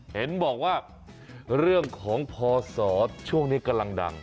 เห็นบอกว่าเรื่องของพศช่วงนี้กำลังดัง